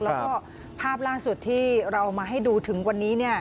แล้วก็ภาพล่าสุดที่เรามาให้ดูถึงวันนี้